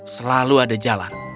selalu ada jalan